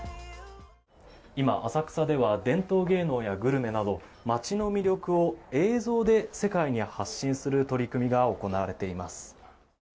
今、浅草では伝統芸能やグルメなど街の魅力を映像で世界に発信する取り組みが行われています。